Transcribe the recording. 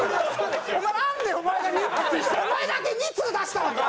なんでお前がお前だけ２通出したのか？